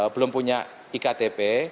belum punya iktp